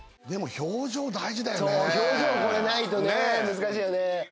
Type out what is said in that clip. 表情これないとね難しいよね。